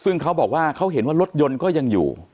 ซึ่งเขาบอกว่าเขาเห็นว่ารถยนต์ก็ยังอยู่